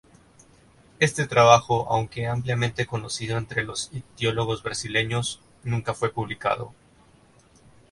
Este trabajo, aunque ampliamente conocido entre los ictiólogos brasileños, nunca fue publicado.